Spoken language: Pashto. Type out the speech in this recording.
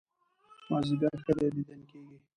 مازيګر ښه دى ديدن کېږي